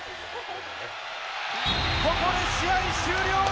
ここで試合終了。